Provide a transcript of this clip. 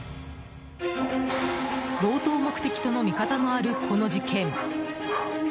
強盗目的との見方もあるこの事件。